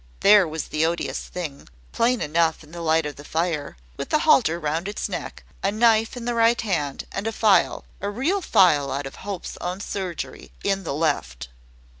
There was the odious thing plain enough in the light of the fire with the halter round its neck, a knife in the right hand, and a phial a real phial out of Hope's own surgery, in the left!